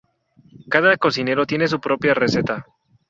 Cada cocinero tiene su propia receta.